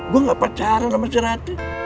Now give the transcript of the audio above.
gue gak pacaran sama si ratih